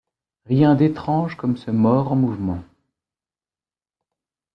Rien d’étrange comme ce mort en mouvement.